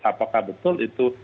apakah betul itu